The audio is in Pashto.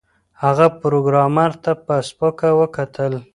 هغه پروګرامر ته په سپکه وکتل